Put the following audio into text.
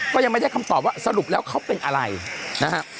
ก็ยังไม่ได้คำตอบว่าสรุปแล้วเขาเป็นอะไรนะฮะ